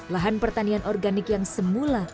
lahan pertanian organik yang semula